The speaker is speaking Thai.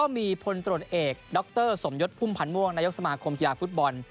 มีพลตรวจเอกดรสมยศพุ่มพันธ์ม่วงนายกสมาคมกีฬาฟุตบอล